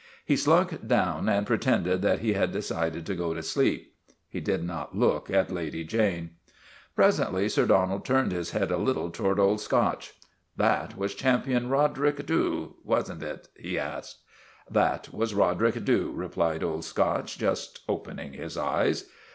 He slunk down and pretended that he had decided to go to sleep. He did not look at Lady Jane. Presently Sir Donald turned his head a little to ward Old Scotch. " That was Champion Roderick Dhu, was n't it ?" he asked. " That was Roderick Dhu," replied Old Scotch, just opening his eyes.